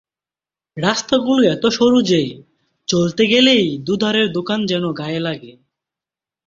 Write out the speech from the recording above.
রাস্তাগুলো এত সরু যে, চলতে গেলেই দুধারের দোকান যেন গায়ে লাগে।